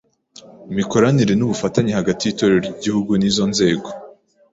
imikoranire n’ubufatanye hagati y’Itorero ry’Igihugu n’izo nzego,